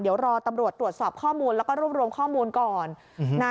เดี๋ยวรอตำรวจตรวจสอบข้อมูลแล้วก็รวบรวมข้อมูลก่อนนะ